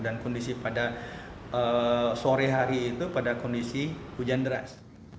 dan kondisi pada sore hari itu pada kondisi hujan deras